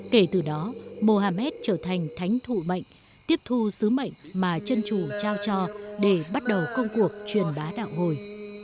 kể từ đó muhammad trở thành thánh thụ mệnh tiếp thu sứ mệnh mà chân chủ trao cho để bắt đầu công cuộc truyền bá đạo hồi